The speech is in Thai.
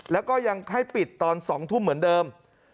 แล้วก็ยังให้ปิดตอน๒ทุ่มเหมือนเดิม